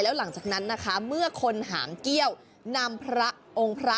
แล้วหลังจากนั้นนะคะเมื่อคนหางเกี้ยวนำพระองค์พระ